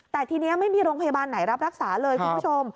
แต่ทีนี้ไม่มีโรงพยาบาลไหนรับรักษาเลยคุณผู้ชม